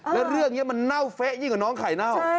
แล้วเรื่องนี้มันเน่าเฟะยิ่งกว่าน้องไข่เน่า